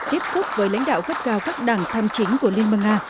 tiếp xúc với lãnh đạo gấp cao các đảng tham chính của liên bang nga